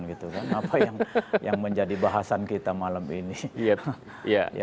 apa yang menjadi bahasan kita malam ini